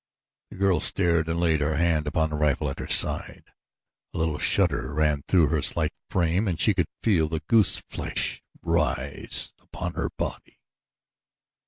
The girl started and laid her hand upon the rifle at her side. A little shudder ran through her slight frame and she could feel the goose flesh rise upon her body.